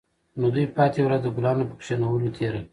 نو دوی پاتې ورځ د ګلانو په کینولو تیره کړه